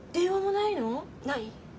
ない。